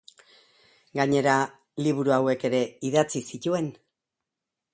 Gainera liburu hauek ere idatzi zituen.